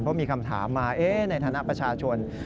เพราะมีคำถามมาในฐานะประชาชน